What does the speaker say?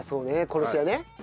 殺し屋ね。